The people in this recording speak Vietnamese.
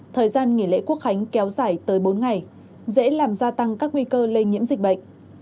thời gian nghỉ lễ quốc khánh kéo dài tới bốn ngày dễ làm gia tăng các nguy cơ lây nhiễm dịch bệnh